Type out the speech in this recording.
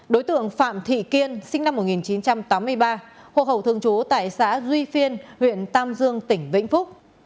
đối tượng phạm thị kiên sinh năm một nghìn chín trăm tám mươi ba hồ hậu thường chú tại xã duy phiên huyện tam dương tỉnh vĩnh phúc